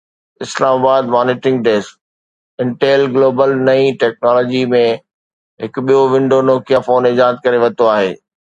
اسلام آباد (monitoring desk) Intel global نئين ٽيڪنالاجي ۾ هڪ ٻيو ونڊو نوڪيا فون ايجاد ڪري ورتو آهي